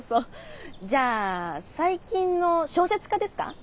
じゃあ最近の小説家ですか？